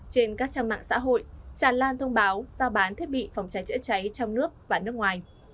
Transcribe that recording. trên các trang mạng xã hội tràn lan thông báo giao bán thiết bị phòng cháy chữa cháy trong nước và nước ngoài